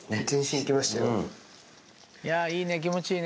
いいね気持ちいいね。